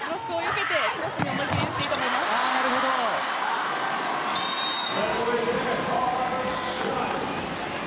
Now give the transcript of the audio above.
ブロックをよけてクロスに打っていいと思います。